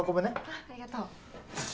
あっありがとう。